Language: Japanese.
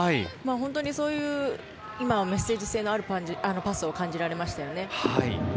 今そういうメッセージ性のあるパスが感じられましたね。